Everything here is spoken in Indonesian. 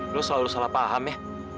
dulu selalu salah paham ya